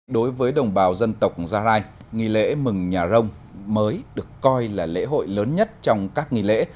đối với đồng bào dân tộc gia rai nghi lễ mừng nhà rông mới được coi là lễ hội lớn nhất trong các nghỉ lễ